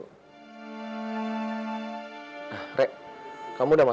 kapan ini kamu ragukan